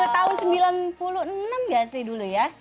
tahun sembilan puluh enam gak sih dulu ya